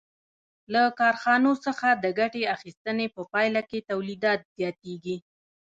له کارخانو څخه د ګټې اخیستنې په پایله کې تولیدات زیاتېږي